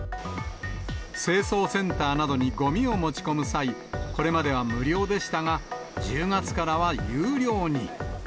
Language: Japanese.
清掃センターなどにごみを持ち込む際、これまでは無料でしたが、１０月からは有料に。